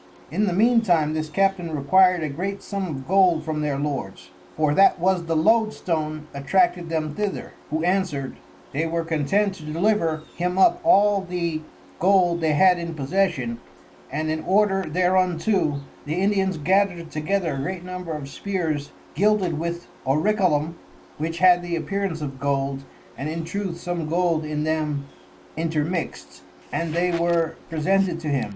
In the mean time this Captain requir'd a great Sum of Gold from their Lords (for that was the Load stone attracted them thither) who answered, they were content to deliver him up all the Gold they had in possession; and in order thereunto, the Indians gathered together a great Number of Spears gilded with Orichalcum, (which had the appearance of Gold, and in truth some Gold in them intermixt) and they were presented to him.